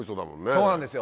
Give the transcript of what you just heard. そうなんですよ。